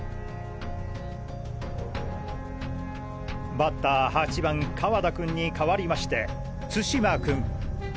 バッター８番川田君に代わりまして都島君。